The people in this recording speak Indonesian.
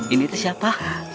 ini tuh siapa